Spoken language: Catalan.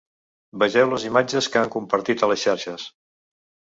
Vegeu les imatges que han compartit a les xarxes.